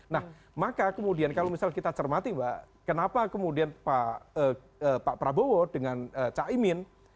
nah maka kemudian kalau misal kita cermati kenapa kemudian pak prabowo dengan cak imin